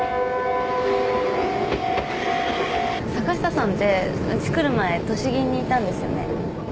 坂下さんってうち来る前都市銀にいたんですよね？